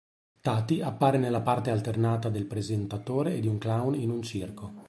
Tati appare nella parte alternata del presentatore e di un clown in un circo.